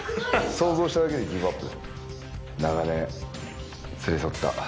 想像しただけでギブアップ。